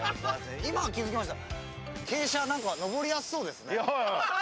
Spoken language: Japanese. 今気づきました。